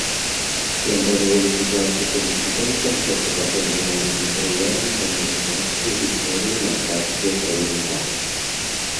Ён дазволіць выкладчыкам і студэнтам працаваць з арыгінальным матэрыялам па мовазнаўстве, гісторыі, мастацтве, краіназнаўстве.